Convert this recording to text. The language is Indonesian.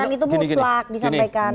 kekhawatiran itu muslak disampaikan